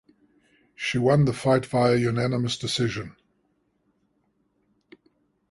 She won the fight via unanimous decision.